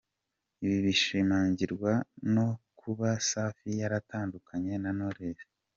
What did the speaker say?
Ibi binashimangirwa no kuba Safi yaratandukanye na Knowless.